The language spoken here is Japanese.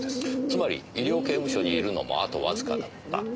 つまり医療刑務所にいるのもあとわずかだった。